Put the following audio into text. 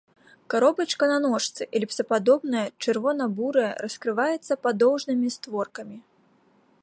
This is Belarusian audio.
Каробачка на ножцы, эліпсападобная, чырвона-бурая, раскрываецца падоўжнымі створкамі.